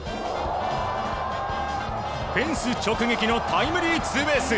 フェンス直撃のタイムリーツーベース。